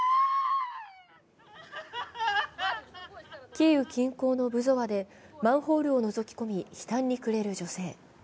キーウ近郊のブゾワでマンホールをのぞき込み、悲嘆に暮れる女性。